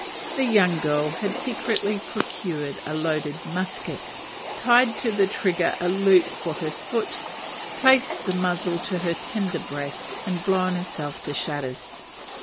The young girl had secretly procured a loaded musket, tied to the trigger a loop for her foot, placed the muzzle to her tender breast, and blown herself to shatters.